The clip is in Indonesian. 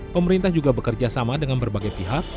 pemerintah juga bekerjasama dengan berbagai pihak